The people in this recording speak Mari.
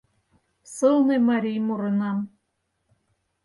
Сылне марий мурынам